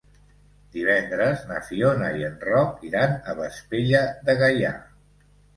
Divendres na Fiona i en Roc iran a Vespella de Gaià.